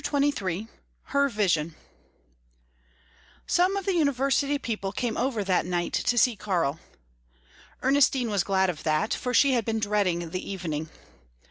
_" CHAPTER XXIII HER VISION Some of the university people came over that night to see Karl. Ernestine was glad of that, for she had been dreading the evening.